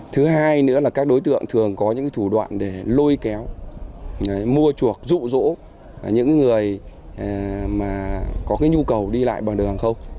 thứ hai nữa là các đối tượng thường có những thủ đoạn để lôi kéo mua chuộc dụ dỗ những người có nhu cầu đi lại bằng đường không